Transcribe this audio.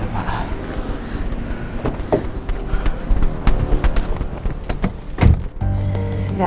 waduh udah parah